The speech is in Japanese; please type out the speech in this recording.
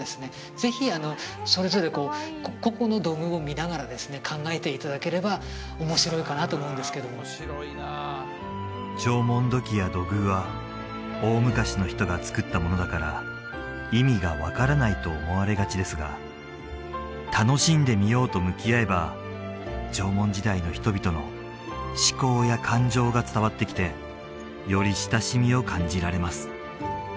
ぜひそれぞれこう個々の土偶を見ながらですね考えていただければ面白いかなと思うんですけども縄文土器や土偶は大昔の人が作ったものだから意味が分からないと思われがちですが楽しんでみようと向き合えば縄文時代の人々の思考や感情が伝わってきてより親しみを感じられます